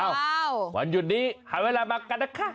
วันหยุดนี้หาเวลามากันนะคะ